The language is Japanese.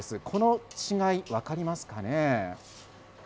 この違い、分かりますかね？